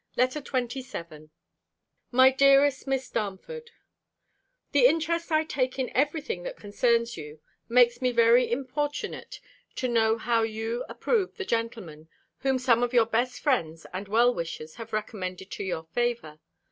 LETTER XXVII MY DEAREST MISS DARNFORD, The interest I take in everything that concerns you, makes me very importunate to know how you approve the gentleman, whom some of your best friends and well wishers have recommended to your favour.